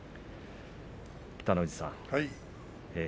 北の富士さん